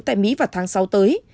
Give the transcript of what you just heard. tại mỹ vào tháng sáu tới